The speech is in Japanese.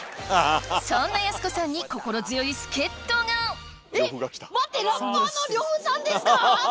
そんなやす子さんに心強い助っ人がえっ待ってラッパーの呂布さんですか！